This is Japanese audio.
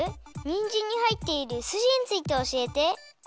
にんじんにはいっているすじについておしえて。